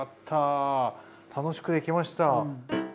楽しくできました。